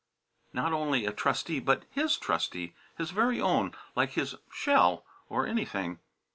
Not only a trustee, but his trustee; his very own, like his shell, or anything.